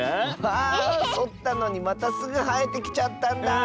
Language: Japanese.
あそったのにまたすぐはえてきちゃったんだ！